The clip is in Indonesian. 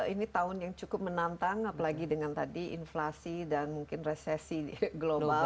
dua ribu dua puluh tiga ini tahun yang cukup menantang apalagi dengan tadi inflasi dan resesi global